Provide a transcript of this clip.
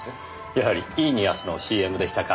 やはりイーニアスのＣＭでしたか。